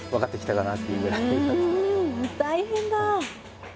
うん大変だ。